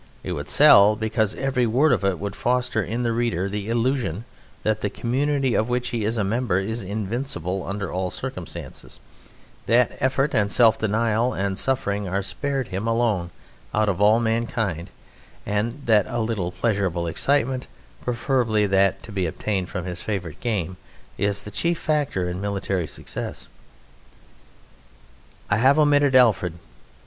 It would sell, because every word of it would foster in the reader the illusion that the community of which he is a member is invincible under all circumstances, that effort and self denial and suffering are spared him alone out of all mankind, and that a little pleasurable excitement, preferably that to be obtained from his favourite game, is the chief factor in military success. I have omitted Alfred.